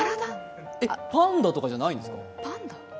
パンダとかじゃないんですか？